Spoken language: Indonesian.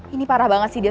ini parah banget sih dia